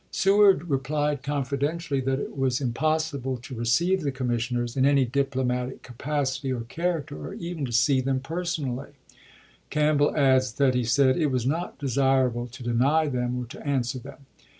Seward replied confidentially, "that it was im possible to receive the commissioners in any diplo matic capacity or character, or even to see them campbeii personally." Campbell adds that he said "it was '"S"11 not desirable to deny them or to answer them."